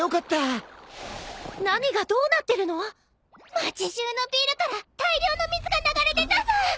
町じゅうのビルから大量の水が流れ出たさ！